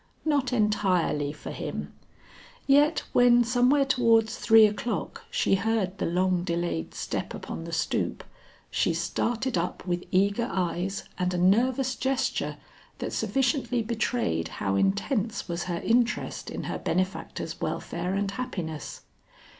Not entirely for him yet when somewhere towards three o'clock, she heard the long delayed step upon the stoop, she started up with eager eyes and a nervous gesture that sufficiently betrayed how intense was her interest in her benefactor's welfare and happiness.